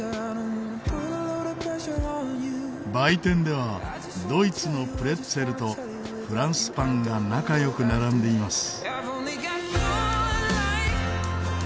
売店ではドイツのプレッツェルとフランスパンが仲良く並んでいます。